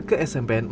ke dalam perahu ketek